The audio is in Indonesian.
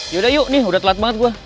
yaudah yuk nih udah telat banget gue